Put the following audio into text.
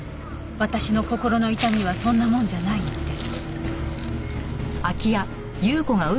「私の心の痛みはそんなもんじゃないって」